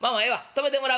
泊めてもらうわ。